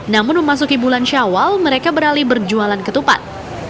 namun memasuki bulan syawal mereka beralih berjualan ketupat